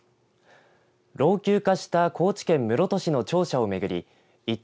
老朽化した高知県室戸市の庁舎を巡り移転